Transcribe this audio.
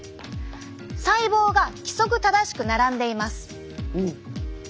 細胞が規則正しく並んでいます。